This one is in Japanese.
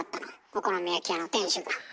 お好み焼き屋の店主が。